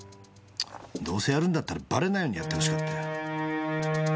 どうせやるんだったらバレないようにやって欲しかったよ。